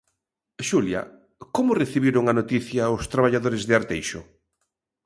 Xulia, como recibiron a noticia os traballadores de Arteixo?